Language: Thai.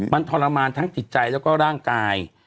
มันทรมานทั้งจิตใจแล้วก็ร่างกาย